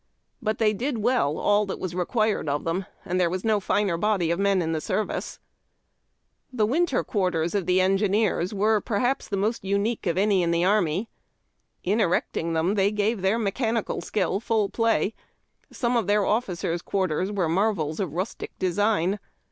But they did well all that was required of them, and there was no tiner body of men in the service. The winter quarters of the engineers were, perhaps, the most unique of any in the army. In erecting them they gave their mechanical skill full play. Some of their officers' quarters were marvels of rustic design.